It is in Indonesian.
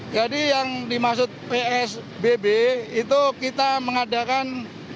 jadi yang dimaksud psbb itu kita mengadakan